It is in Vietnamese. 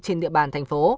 trên địa bàn thành phố